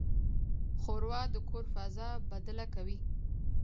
ښوروا د کور فضا بدله کوي.